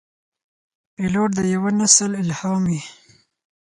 پیلوټ د یوه نسل الهام وي.